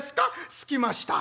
『すきました』」。